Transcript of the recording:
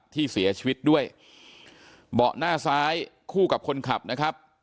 ที่เสียชีวิตด้วยเบาะหน้าซ้ายคู่กับคนขับนะครับ